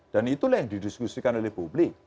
dan itulah yang didiskusikan oleh publik